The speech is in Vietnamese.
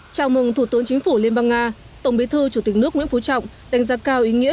chào mừng thủ tướng chính phủ liên bang nga tổng bí thư chủ tịch nước nguyễn phú trọng đánh giá cao ý nghĩa